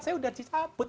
saya sudah dicabut